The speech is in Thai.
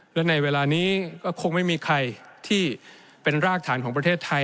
และในเวลานี้ก็คงไม่มีใครที่เป็นรากฐานของประเทศไทย